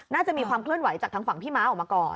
น่าจะมีความเคลื่อนไหวจากทางฝั่งพี่ม้าออกมาก่อน